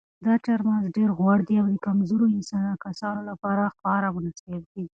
دا چهارمغز ډېر غوړ دي او د کمزورو کسانو لپاره خورا مناسب دي.